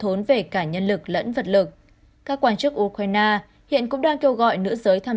thốn về cả nhân lực lẫn vật lực các quan chức ukraine hiện cũng đang kêu gọi nữ giới tham